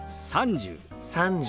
「３０」。